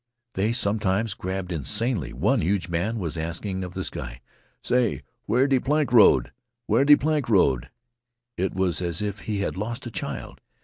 They sometimes gabbled insanely. One huge man was asking of the sky: "Say, where de plank road? Where de plank road!" It was as if he had lost a child.